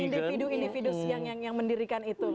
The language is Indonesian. sudah banyak individu individu yang mendirikan itu